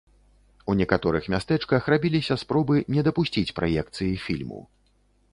У некаторых мястэчках рабіліся спробы не дапусціць праекцыі фільму.